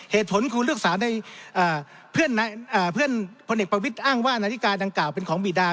ครูเลือกสารในเพื่อนพลเอกประวิทย์อ้างว่านาฬิกาดังกล่าวเป็นของบีดา